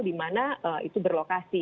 di mana itu berlokasi